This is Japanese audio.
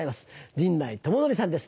陣内智則さんです